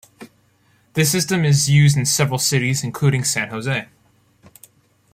This system is used in several cities, including San Jose.